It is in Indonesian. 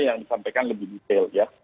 yang disampaikan lebih detail ya